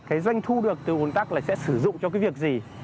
cái doanh thu được từ quần tắc lại sẽ sử dụng cho cái việc gì